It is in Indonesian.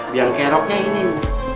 biar keroknya ini